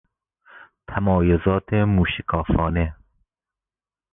تمایزات موشکافانه